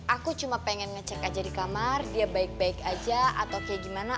aku cuma pengen ngecek aja di kamar dia baik baik aja atau kayak gimana